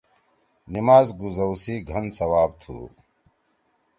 نِماز گُوزؤ سی گھن ثواب تُھو۔